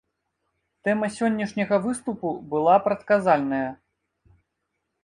Тэма сённяшняга выступу была прадказальная.